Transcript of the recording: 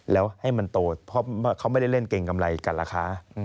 แล้วให้มันโตเพราะเขาไม่ได้เล่นเก่งกำไรกันล่ะคะ